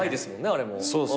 あれも。